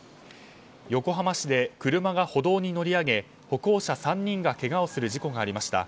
横浜市で車が歩道に乗り上げ歩行者３人がけがをする事故がありました。